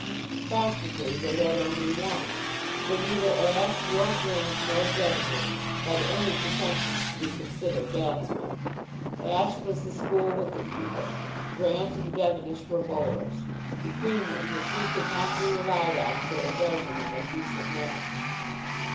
Practically they had only one, for neither Ashe, nor Grant, nor Devenish had any pretensions to be considered batsmen. Ashe was the school wicket keeper. Grant and Devenish were bowlers. Between them the three could not be relied on for a dozen in a decent match.